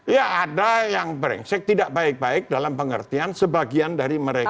ya ada yang brengsek tidak baik baik dalam pengertian sebagian dari mereka